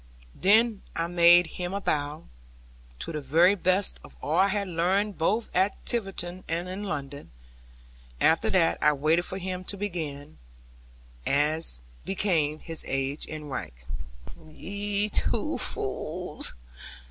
Then I made him a bow, to the very best of all I had learned both at Tiverton and in London; after that I waited for him to begin, as became his age and rank in life. 'Ye two fools!'